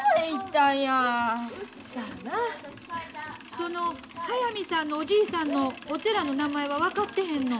その速水さんのおじいさんのお寺の名前は分かってへんの？